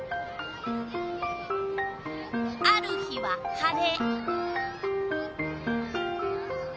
ある日は晴れ。